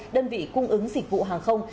đơn vị cung ứng dịch vụ hàng không